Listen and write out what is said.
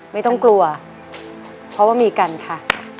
ไม่ต้องกลัวเพราะว่ามีกันค่ะ